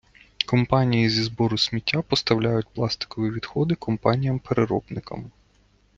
Компанії зі збору сміття поставляють пластикові відходи компаніям-переробникам.